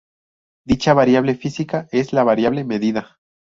Dicha variable física es la variable medida.